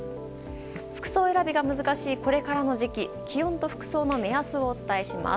服装選びが難しいこれからの時期気温と服装の目安をお伝えします。